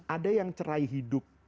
ada yang cerai hidup